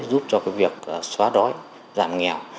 giúp cho việc xóa đói giảm nghèo